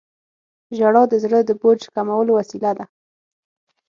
• ژړا د زړه د بوج کمولو وسیله ده.